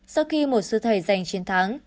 sau khi một sư thầy giành chiến thắng